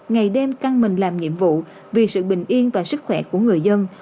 ngày đêm căng mình làm nhiệm vụ vì sự bình yên và sức khỏe của người dân